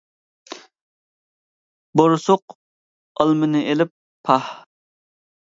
بورسۇق ئالمىنى ئېلىپ: پاھ!